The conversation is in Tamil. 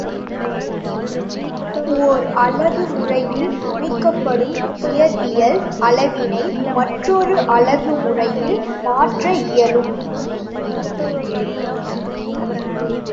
ஒர் அலகு முறையில் அமைக்கப்படும் இயற்பியல் அளவினை மற்றோர் அலகு முறையில் மாற்ற இயலும்.